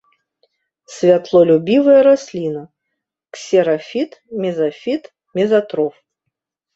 Святлолюбівая расліна, ксерафіт, мезафіт, мезатроф.